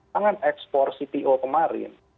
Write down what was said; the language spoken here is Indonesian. tangan ekspor cpo kemarin